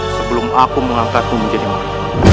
sebelum aku mengangkatmu menjadi mati